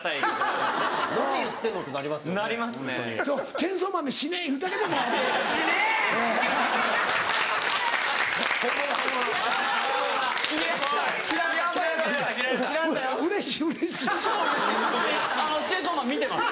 『チェンソーマン』見てます。